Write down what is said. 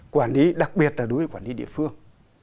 quản lý đặc biệt là đối với quản lý địa phương